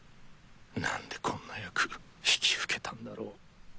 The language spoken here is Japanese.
何でこんな役引き受けたんだろ。